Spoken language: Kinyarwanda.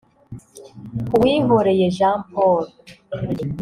Uwihoreye Jean Paul